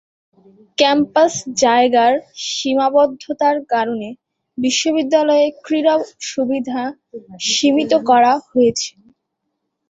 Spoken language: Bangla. ক্যাম্পাস জায়গার সীমাবদ্ধতার কারণে বিশ্ববিদ্যালয়ে ক্রীড়া সুবিধা সীমিত করা হয়েছে।